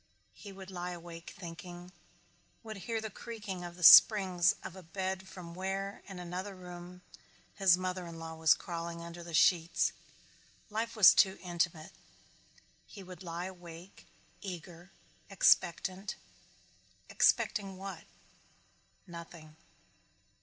He would lie awake thinking, would hear the creaking of the springs of a bed from where, in another room, his mother in law was crawling under the sheets. Life was too intimate. He would lie awake eager, expectant expecting what? Nothing.